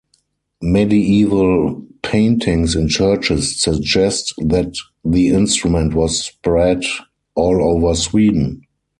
Medieval paintings in churches suggest that the instrument was spread all over Sweden.